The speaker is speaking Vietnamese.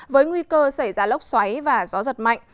với nguy cơ xảy ra lốc xoáy và gió giật mạnh